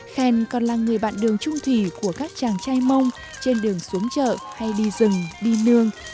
khen còn là người bạn đường trung thủy của các chàng trai mông trên đường xuống chợ hay đi rừng đi nương